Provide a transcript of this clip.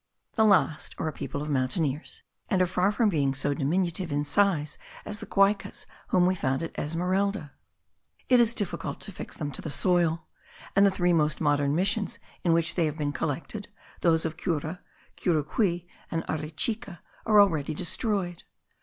The last are a people of mountaineers and are far from being so diminutive in size as the Guaycas whom we found at Esmeralda. It is difficult to fix them to the soil; and the three most modern missions in which they have been collected, those of Cura, Curucuy, and Arechica, are already destroyed.